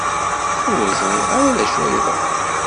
Ur ẓriɣ ara d acu ay yeḍran.